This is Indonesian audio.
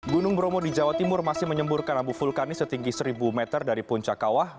gunung bromo di jawa timur masih menyemburkan abu vulkanis setinggi seribu meter dari puncak kawah